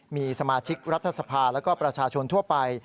มีสมาชิกรัฐสภาแล้วก็ประชาชนทั่วไป